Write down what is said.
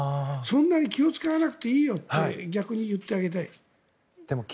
そんなに気を使わなくていいよって逆に言ってあげたい。